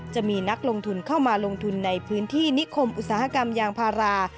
จะมีนักลงทุนเข้ามาลงทุนในพื้นที่นิคมอุตสาหกรรมยางพารา